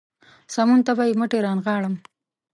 سمون ته به يې مټې رانغاړم.